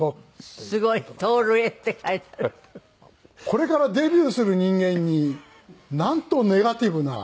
これからデビューする人間になんとネガティブな。